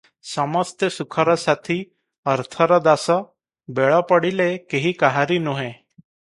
ସମସ୍ତେ ସୁଖର ସାଥୀ, ଅର୍ଥର ଦାସ, ବେଳ ପଡ଼ିଲେ କେହି କାହାରି ନୁହେଁ ।